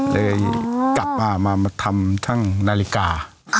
เลยกลับมามาทำช่างนาฬิกา